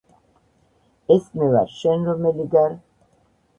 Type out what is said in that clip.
ეს მე ვარ შენ რომელი გარ